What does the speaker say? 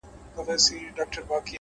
صبر د هیلو د ونې ساتونکی دی’